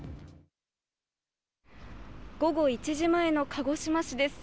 午後１時前の鹿児島市です。